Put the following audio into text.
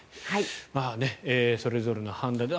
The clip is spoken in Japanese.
それぞれの判断で。